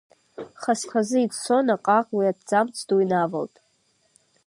Хаз-хазы, иӡсо, наҟ-ааҟ уи аҭӡамц ду инавалт.